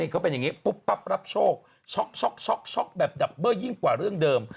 เขาเป็นอย่างนี้ปุ๊บปั๊บรับโชคช็อกแบบดับเบอร์ยิ่งกว่าเรื่องเดิม